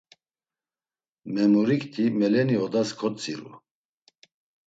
Memurikti meleni odas kotziru.